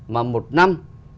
mà một năm